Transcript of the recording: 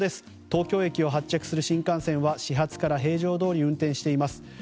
東京駅を発着する新幹線は始発から平常どおり運転しています。